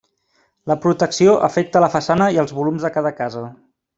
La protecció afecta la façana i els volums de cada casa.